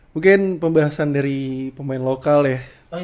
mungkin pembahasan dari pemain lokal ya